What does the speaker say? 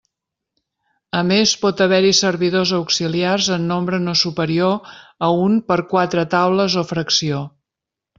A més pot haver-hi servidors auxiliars en nombre no superior a un per quatre taules o fracció.